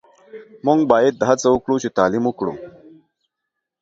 موژ باید هڅه وکړو چی تعلیم وکړو